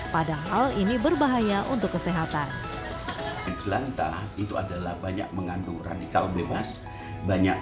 padahal ini berbahaya untuk kesehatan jelantah itu adalah banyak mengandung radikal bebas banyak